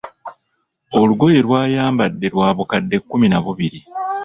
Olugoye lw'ayambadde lwabukadde kkumi na bubiri.